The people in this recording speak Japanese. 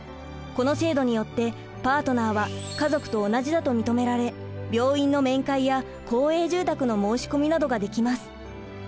この制度によってパートナーは家族と同じだと認められ病院の面会や公営住宅の申し込みなどができます。